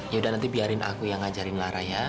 ya udah nanti biarin aku yang ngajarin lara ya